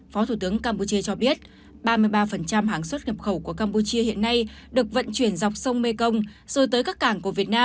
phó thủ tướng campuchia cho biết ba mươi ba hàng xuất nhập khẩu của campuchia hiện nay được vận chuyển dọc sông mekong rồi tới các cảng của việt nam